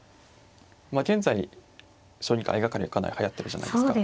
まあ現在将棋界相掛かりがかなりはやってるじゃないですか。